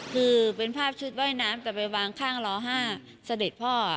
คือเป็นภาพชุดว่ายน้ำแต่ไปวางข้างล้อ๕เสด็จพ่อ